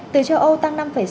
từ châu âu tăng năm sáu